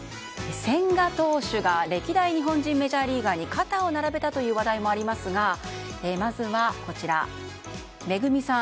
千賀投手が歴代日本人メジャーリーガーに肩を並べたという話題もありますがまずは、ＭＥＧＵＭＩさん